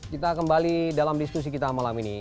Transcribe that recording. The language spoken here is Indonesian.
kita kembali dalam diskusi kita malam ini